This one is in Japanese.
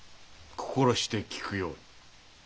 心して聞くように。